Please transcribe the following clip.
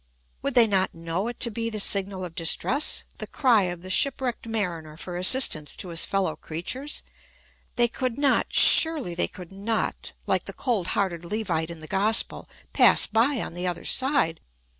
would they not know it to be the signal of distress? the cry of the shipwrecked mariner for assistance to his fellow creatures? they could not—surely they could not, like the cold hearted Levite in the gospel, pass by on the other side?